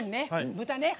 豚ね。